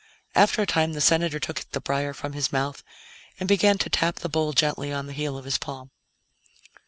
After a time, the Senator took the briar from his mouth and began to tap the bowl gently on the heel of his palm.